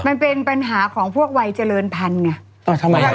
มันเป็นปัญหาของพวกวัยเจริญพันธุ์ไง